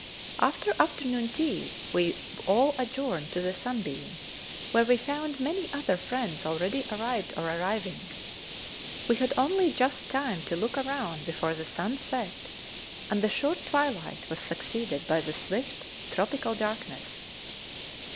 After afternoon tea we all adjourned to the 'Sunbeam,' where we found many other friends already arrived or arriving. We had only just time to look round before the sun set, and the short twilight was succeeded by the swift tropical darkness.